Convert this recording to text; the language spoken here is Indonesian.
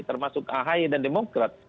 termasuk ahi dan demokrat